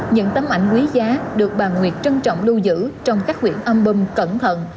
những tấm ảnh quý giá được bà nguyệt trân trọng lưu giữ trong các quyển album cẩn thận